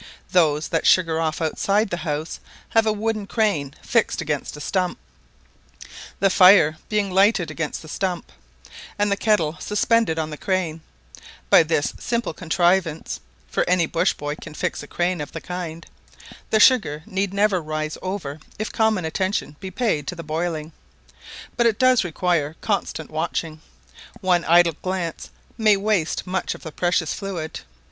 Those that sugar off outside the house have a wooden crane fixed against a stump, the fire being lighted against the stump, and the kettle suspended on the crane: by this simple contrivance, (for any bush boy can fix a crane of the kind,) the sugar need never rise over if common attention be paid to the boiling; but it does require constant watching: one idle glance may waste much of the precious fluid.